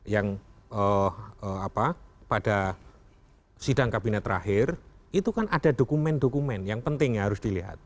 yang apa pada sidang kabinet terakhir itu kan ada dokumen dokumen yang penting yang harus dilihat